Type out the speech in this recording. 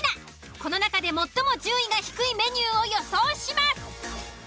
この中で最も順位が低いメニューを予想します。